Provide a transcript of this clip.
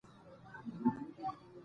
اداري محاکمه د عادلانه بهیر غوښتنه کوي.